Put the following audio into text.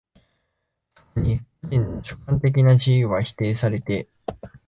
そこに個人の主観的な自由は否定されて、